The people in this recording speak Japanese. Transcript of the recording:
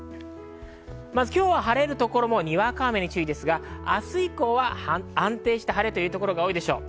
今日は晴れる所もにわか雨に注意ですが、明日以降は安定した晴れというところが多いでしょう。